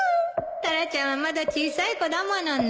タラちゃんはまだ小さい子だものね